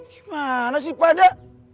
gimana sih pada